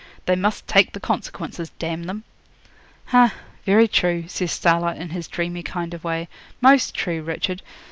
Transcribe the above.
They must take the consequences, d n them!' 'Ha! very true,' says Starlight in his dreamy kind of way. 'Most true, Richard.